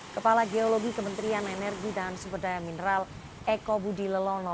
kepala geologi kementerian energi dan sumber daya mineral eko budi lelono